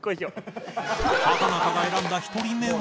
畠中が選んだ１人目は